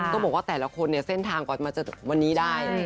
ต้องบอกว่าแต่ละคนเนี่ยเส้นทางก่อนมาจะวันนี้ได้